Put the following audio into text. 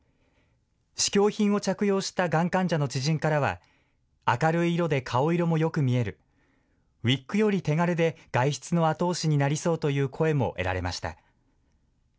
試供品を着用したがん患者の知人からは、明るい色で顔色もよく見える、ウイッグより気軽で外出の後押しになりそうという声も得られました。